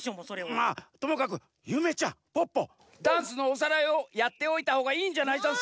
まあともかくゆめちゃんポッポダンスのおさらいをやっておいたほうがいいんじゃないざんすか？